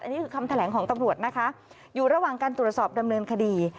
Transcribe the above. นี่คือคำแถลงของตำรวจนะคะอยู่ระหว่างการตรวจสอบดำเนินคดี